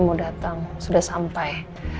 mau datang sudah sampai